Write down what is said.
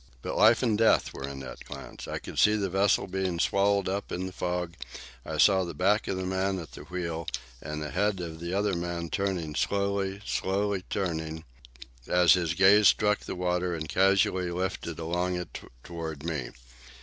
But life and death were in that glance. I could see the vessel being swallowed up in the fog; I saw the back of the man at the wheel, and the head of the other man turning, slowly turning, as his gaze struck the water and casually lifted along it toward me.